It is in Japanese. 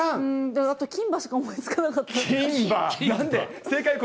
あと金歯しか思いつかなかっ金歯？